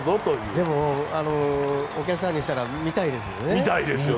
でもお客さんにしたら見たいですよね。